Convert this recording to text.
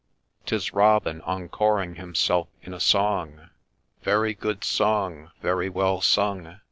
'Tis Robin encoring himself in a song —' Very good song ! very well sung